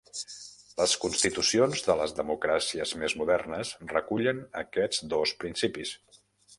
Les constitucions de les democràcies més modernes recullen aquests dos principis.